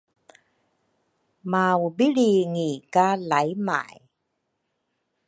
maupilringi ka laymay.